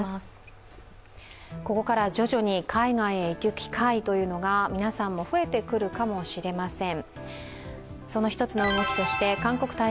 ここからは徐々に海外へ行く機会というのが皆さんも増えてくるかもしれません。